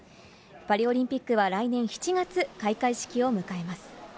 パリオリンピックは来年７月、開会式を迎えます。